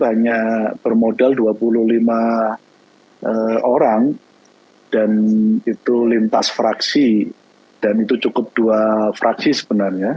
hanya bermodal dua puluh lima orang dan itu lintas fraksi dan itu cukup dua fraksi sebenarnya